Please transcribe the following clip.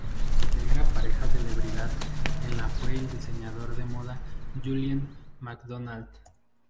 Su primera pareja celebridad en la fue el diseñador de moda Julien Macdonald.